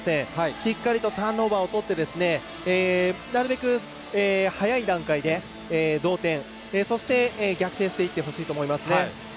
しっかりとターンオーバーをとってなるべく早い段階で同点、そして逆転していってほしいと思いますね。